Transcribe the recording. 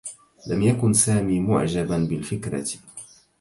لم يكن سامي معجبا بالفكرة.